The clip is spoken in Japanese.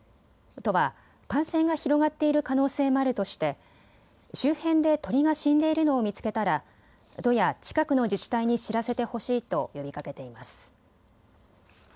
都は感染が広がっている可能性もあるとして周辺で鳥が死んでいるのを見つけたら都や近くの自治体に知らせてほしいと呼びかけています。